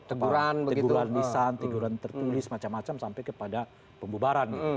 teguran teguran lisan teguran tertulis macam macam sampai kepada pembubaran